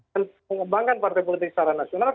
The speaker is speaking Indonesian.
dan mengembangkan partai politik secara nasional